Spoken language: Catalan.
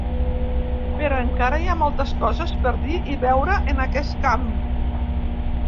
Però encara hi ha moltes coses per dir i veure en aquest camp.